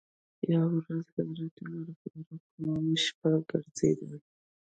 یوه ورځ حضرت عمر فاروق و شپې ګرځېده.